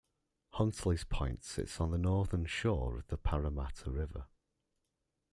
Huntleys Point sits on the northern shore of the Parramatta River.